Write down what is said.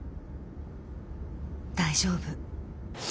大丈夫。